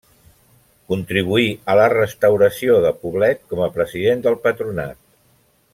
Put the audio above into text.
Contribuí a la restauració de Poblet com a president del patronat.